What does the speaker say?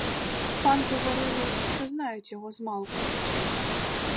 Пан говорили, що знають його змалку.